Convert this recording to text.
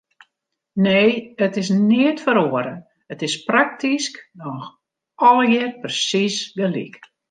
Nee, it is neat feroare, it is praktysk noch allegear persiis gelyk.